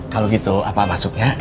kalau gitu apa masuknya